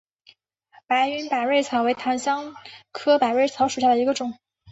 白云百蕊草为檀香科百蕊草属下的一个种。